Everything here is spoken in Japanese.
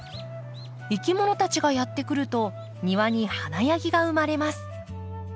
いきものたちがやって来ると庭に華やぎが生まれます。